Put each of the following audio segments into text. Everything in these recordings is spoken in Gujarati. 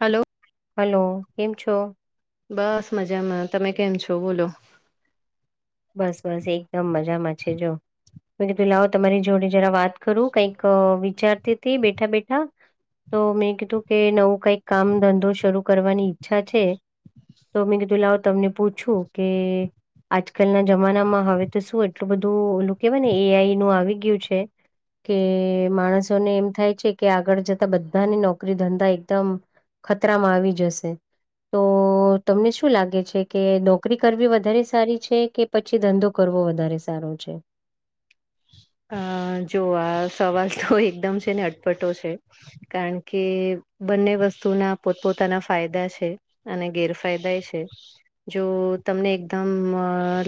હલો. હલો. કેમ છો? બસ મજામાં. તમે કેમ છો? બોલો. બસ-બસ એકદમ મજામાં છે જો. મે કીધું હું પેલા તમારી જોડે જરા વાત કરું, કંઈક વિચારતી તી બેઠા-બેઠા. તો મેં કીધું કે નવું કંઈક કામ ધંધો શરૂ કરવાની ઈચ્છા છે. તો મેં કીધું લાવ તમને પૂછું કે કાલના જમાનામાં હવે તો શું એટલું બધું ઓલું કહેવાય ને એ આઈ નું આવી ગયું છે. કે માણસોને એમ થાય છે કે આગળ જતા બધાની નોકરી, ધંધા એકદમ ખતરામાં આવી જશે. તો તમને શું લાગે છે કે નોકરી કરવી વધારે સારી છે? કે પછી ધંધો કરવો વધારે સારો છે? અ જોવા સવાલ તો એકદમ છે ને અટપટો છે. કારણ કે બંને વસ્તુના પોતપોતાના ફાયદા છે. અને ગેરફાયદા છે. જો તમને એકદમ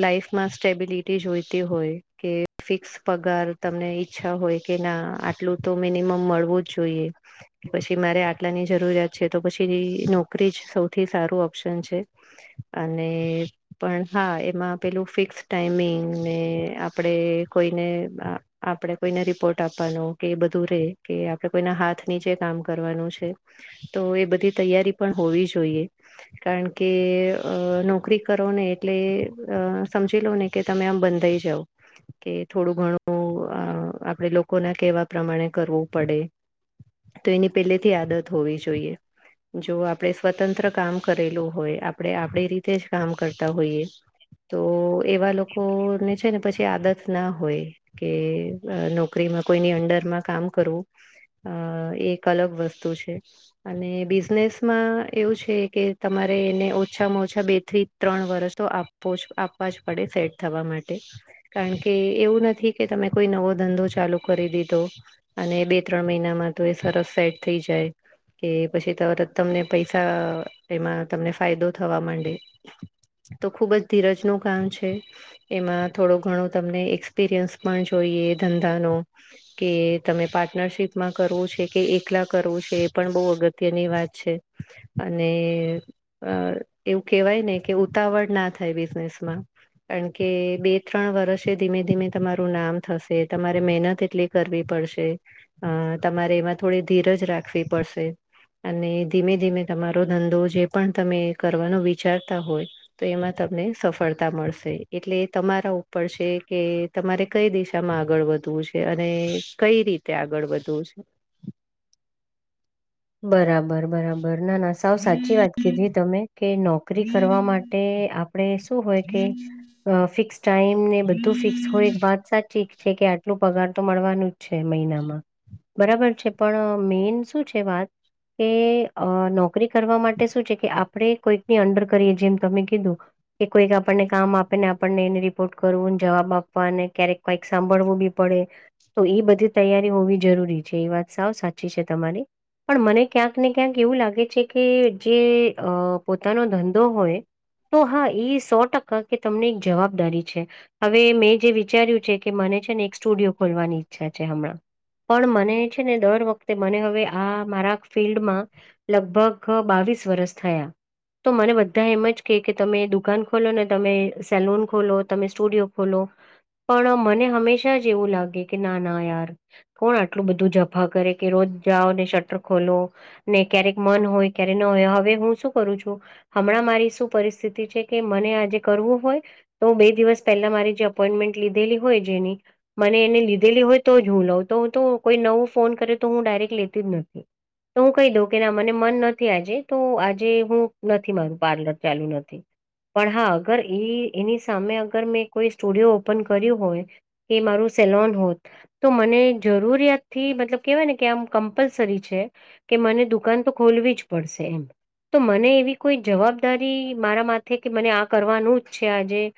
લાઈફમાં સ્ટેબિલિટી જોઈતી હોય કે ફિક્સ પગાર તમને ઈચ્છા હોય, કે ના આટલું તો મિનિમમ મળવું જ જોઈએ. પછી મારે આટલાની જરૂરિયાત છે તો પછી નોકરી જ સૌથી સારું ઓપ્શન છે. અને પણ હા એમાં પેલું ફિક્સ ટાઈમિંગ ને આપણેે કોઈ આપે કોઈને રિપોર્ટ આપવાનો કે બધું રે કે આપ કોઈ હાથ ની જે કામ કરવાનું છે, તો એ બધી તૈયારી પણ હોવી જોઈએ. કારણ કે અ નોકરી કરો ને એટલે અ સમજી લો ને કે તમે આમ બંધાઈ જાાવ કે થોડું ઘણું આપણેે લોકોના કેહેવા પ્રમાણે કરવું પડે તો એની પેલેથી આદત હોવી જોઈએ. જો આપણે સ્વતંત્ર કામ કરેલું હોય આપણેે આપડી રીતે જ કામ કરતા હોઈએ. તો એવા લોકો ને છે ને પછી આદત. ના હોય કે નોકરીમાં કોઈની અંડરમાં કામ કરવુ અ એક અલગ વસ્તુ છે. અને બિઝનેસમાં એવું છે, કે તમારે એને ઓછામાં ઓછા બેથરી ત્રણ વરસો આપો જ આપવા જ પડે સેટ થવા માટે કારણ કે કે એવું નથી કે તમે કોઈ નવો ધંધો ચાલુ કરી દીધો અને બે ત્રણ મહિનામાં તો એ સરસ સેટ થઈ જાય. કે પછી તરત તમને પૈસા એમાં તમને ફાયદો થવા માંડે તો ખુબ જ ધીરજ ન કામ છે એમાં થોડો ઘણો. તમને એક્સપીરિયન્સ પણ જોઈએ ધંધાનો કે તમે પાર્ટનરશિપમાં કરવો છે કે એકલા કરવો છે એ પણ બહુ અગત્યની વાત છે. અને એવું કેહેવાય ને કે ઉતાવળ ના થાય બિઝનેસમાં કારણ કે બે ત્રણ વર્ષ ધીમે ધીમે તમારું નામ થશે તમારે મહેનત એટલી કરવી પડશે અ તમારે એમાં થોડી ધીરજ રાખવી પડશે. અને ધીમે ધીમે તમારો ધંધો જે પણ તમે કરવાનો વિચારતા હોય. તો એમાં તમને સફળતા મળશે એટલે એ તમારા ઉપર છે. કે તમારે કઈ દિશામાં આગળ વધવું છે અને કઈ રીતે આગળ વધવું છે. બરાબર બરાબર ના ના સાવ સાચી વાત કીધી તમે કે નોકરી કરવા માટે આપણે શું હોય કે ફિક્સ ટાઈમ ને બધું ફિક. હ એક વાત સાચી છે કે આટલું પગાર તો મળવાનું જ છે મહિનામાં. બરાબર છે પણ મેન શું છે વાત. કે નોકરી કરવા માટે શું છે કે આપણે કોઈકની અંડર કરીએ જેમ તમે કીધું કે કોઈક આપણને કામ આપે ને આપણને એને રિપોર્ટ કરવું જવાબ આપવા અને ક્યારેક. કઈક સાંભળવું બી પડે તો એ બધી તૈયારી હોવી જરૂરી છે એ વાત સાવ સાચી છે, તમારી પણ મને ક્યાંક ને ક્યાંક એવું લાગે છે કે જે પોતાનો ધંધો હોય. તો હા એ સો ટકા કે તમને એક જવાબદારી છે. હવે મેં જે વિચાર્યું છે કે મને છેને, એક સ્ટુડિયો ખોલવાની ઈચ્છા છે હમણાં પણ મને છેને, દર વખતે મને હવે આ મારા ફિલ્ડમાં લગભગ બાવીસ વરષ થયા. તો મને બધા એમ જ કે કે તમે દુકાન ખોલો ને તમે સેલૂન ખોલો તમે સ્ટુડિયો ખોલો. પણ મને હંમેશા જ એવું લાગે કે ના ના યાર. કોણ આટલું બધું જફા કરે કે રોજ જાઓ ને શટર ખોલો ને ક્યારેક મન હોય ક્યારે ન હોય હવે હું શું કરું છુ. હમણાં મારી શું પરિસ્થિતિ છે કે મને આજે કરવું હોય. તો બે દિવસ પહેલા મારી જે અપોઈન્ટમેન્ટ લીધેલી હોય જેની. મને એને લીધેલી હોય તો જ હું લઉં તો હું તો કોઈ નવું ફોન કરે તો હું ડાયરેક્ટ લેતી જ નથી. તો હું કહી દઉં કે, ના મને મન નથી આજે તો આજે હું નથી મારું પાર્લર ચાલુ નથી. પણ હા અગર એ એની સામે અગર મેં કોઈ સ્ટુડિયો ઓપન કર્યું હોય. એ મારું સેલોન હોત, તો મને જરૂરિયાત થી મતલબ કેહેવાય ને કે આમ કમ્પલસરી કે મને દુકાન તો ખોલવી જ પડશે એમ તો મને એવી કોઈ જવાબદારી મારા માથે કે મને આ કરવાનું જ છે આજેમ